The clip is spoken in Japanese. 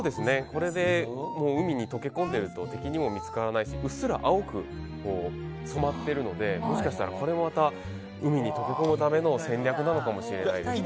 これで海に溶け込んでると敵にも見つからないしうっすら青く染まっているのでもしかしたらこれもまた海に溶け込むための戦略なのかもしれないです。